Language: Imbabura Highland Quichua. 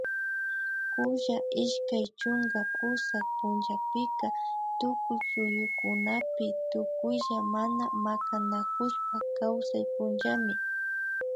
kulla ishkay chunka pusak punllapika tukuy suyukunapi tukuylla mana makanakushpa kawsay punllami